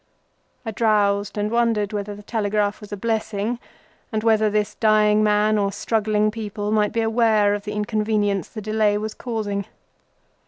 I drowsed, and wondered whether the telegraph was a blessing, and whether this dying man, or struggling people, was aware of the inconvenience the delay was causing.